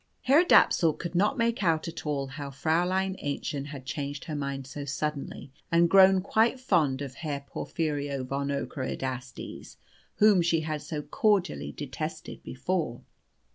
Herr Dapsul could not make out at all how Fräulein Aennchen had changed her mind so suddenly, and grown quite fond of Herr Porphyrio von Ockerodastes, whom she had so cordially detested before.